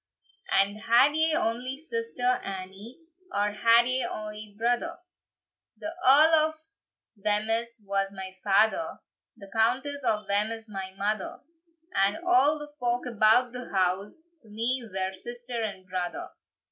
And had ye ony sister, Annie, Or had ye ony brother?" "The Earl of Wemyss was my father, The Countess of Wemyss my mother; And a' the folk about the house To me were sister and brother."